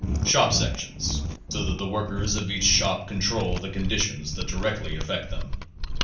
Shop sections, so that the workers of each shop control the conditions that directly affect them.